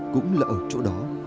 cũng là ở chỗ đó